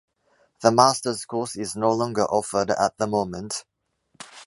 The Master's course is no longer offered at the moment.